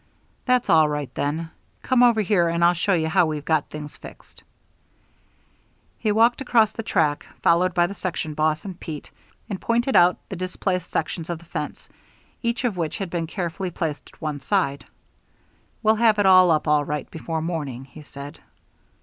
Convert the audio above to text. "That's all right then. Come over here and I'll show you how we've got things fixed." He walked across the track, followed by the section boss and Pete, and pointed out the displaced sections of the fence, each of which had been carefully placed at one side. "We'll have it all up all right before morning," he said.